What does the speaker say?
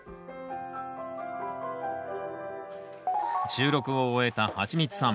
収録を終えたはちみつさん。